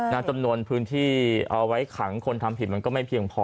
จำนวนพื้นที่เอาไว้ขังคนทำผิดมันก็ไม่เพียงพอ